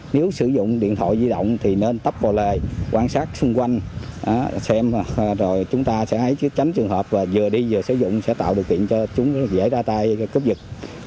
nếu sử dụng điện thoại di động thì nên tắp bồ lê quan sát xung quanh xem rồi chúng ta sẽ tránh trường hợp là vừa đi vừa sử dụng sẽ tạo điều kiện cho chúng dễ ra tay cướp giật